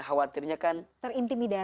khawatirnya kan terintimidasi